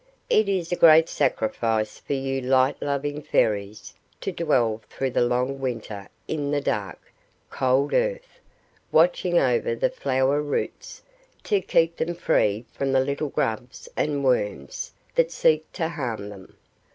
It is a great sacrifice for you light loving Fairies to dwell through the long winter in the dark, cold earth, watching over the flower roots, to keep them free from the little grubs and worms that seek to harm them.